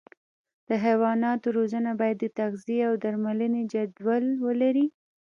د حیواناتو روزنه باید د تغذیې او درملنې جدول ولري.